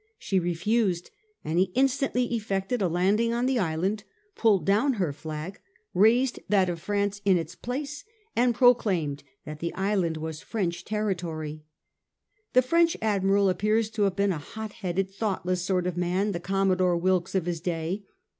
She refused ; and he instantly effected a landing on the island, pulled down her flag, raised that of France in its place, and proclaimed that the island was French territory. The French admiral appears to have been a hot headed, thoughtless sort of man, the Commodore Wilkes of his day.